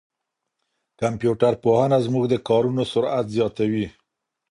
کمپيوټر پوهنه زموږ د کارونو سرعت زیاتوي.